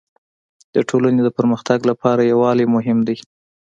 د ټولني د پرمختګ لپاره يووالی مهم دی.